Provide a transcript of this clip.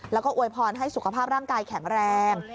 แล้วก็อวยพรให้สุขภาพร่างกายแข็งแรง